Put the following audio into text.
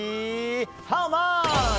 ハウマッチ。